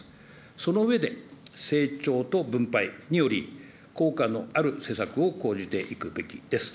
その上で、成長と分配により、効果のある施策を講じていくべきです。